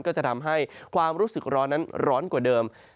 ก็จะทำให้ความรู้สึกร้อนนั้นร้อนกว่าเดิม